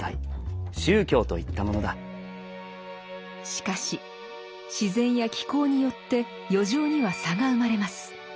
しかし自然や気候によって余剰には差が生まれます。